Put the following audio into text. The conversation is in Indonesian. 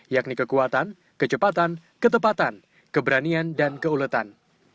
yakni kekuatan kecepatan ketepatan keberanian dan keuletan